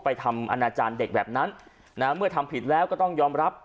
ทำอนาจารย์เด็กแบบนั้นเมื่อทำผิดแล้วก็ต้องยอมรับ